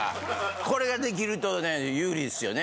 これができるとね有利ですよね。